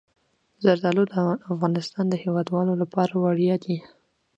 زردالو د افغانستان د هیوادوالو لپاره ویاړ دی.